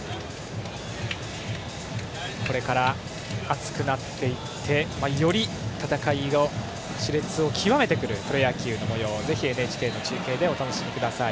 これから暑くなっていってより戦いがしれつを極めてくるプロ野球のもようをぜひＮＨＫの中継でお楽しみください。